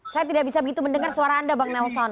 saya tidak bisa begitu mendengar suara anda bang nelson